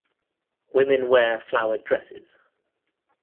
Women wear flowered dresses.